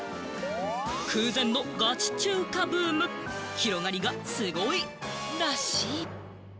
空前のガチ中華ブーム、広がりがすごいらしい。